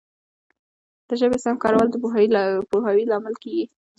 د ژبي سم کارول د پوهاوي لامل کیږي.